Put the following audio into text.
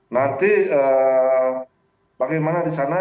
nanti bagaimana di sana